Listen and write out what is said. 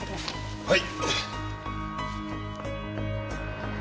はい！